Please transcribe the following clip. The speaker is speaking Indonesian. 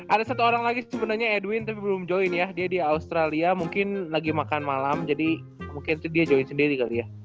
ada satu orang lagi sebenarnya edwin tapi belum join ya dia di australia mungkin lagi makan malam jadi mungkin itu dia join sendiri kali ya